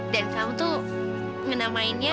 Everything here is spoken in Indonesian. dan kamu tuh ngenamainnya